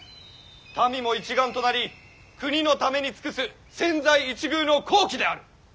民も一丸となり国のために尽くす千載一遇の好機である。